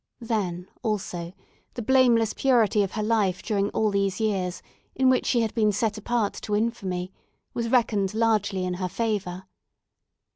Then, also, the blameless purity of her life during all these years in which she had been set apart to infamy was reckoned largely in her favour.